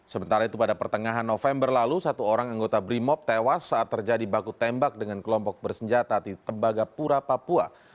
sementara itu pada pertengahan november lalu satu orang anggota brimop tewas saat terjadi baku tembak dengan kelompok bersenjata di tembagapura papua